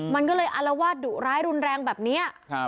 มันก็เลยอารวาสดุร้ายรุนแรงแบบนี้